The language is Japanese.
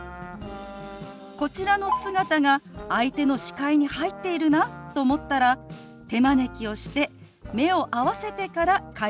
こちらの姿が相手の視界に入っているなと思ったら手招きをして目を合わせてから会話を始めるんです。